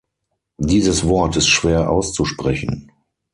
Dieses Wort ist schwer auszusprechen.